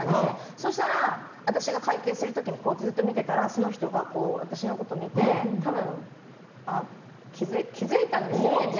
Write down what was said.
そうしたら、私が会計する時にずっと見てたらその人が私のことを見て多分、気づいたんですよね。